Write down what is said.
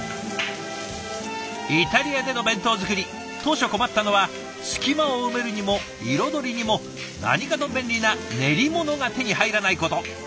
イタリアでの弁当作り当初困ったのは隙間を埋めるにも彩りにも何かと便利な練り物が手に入らないこと。